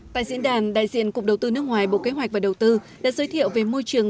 tại diễn đàn đại diện cục đầu tư nước ngoài bộ kế hoạch và đầu tư đã giới thiệu về môi trường